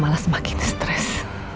malah semakin stres